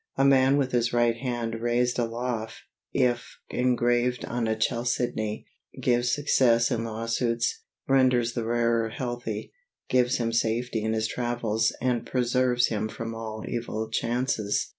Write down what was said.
A man with his right hand raised aloft, if engraved on a chalcedony, gives success in lawsuits, renders the wearer healthy, gives him safety in his travels and preserves him from all evil chances.